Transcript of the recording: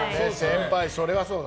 それはそうだ。